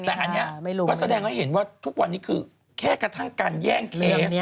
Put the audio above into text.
แต่อันนี้ก็แสดงให้เห็นว่าทุกวันนี้คือแค่กระทั่งการแย่งเคส